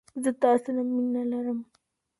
زه تاسره مینه لرم